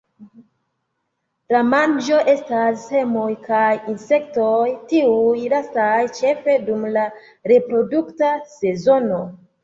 La manĝo estas semoj kaj insektoj, tiuj lastaj ĉefe dum la reprodukta sezono.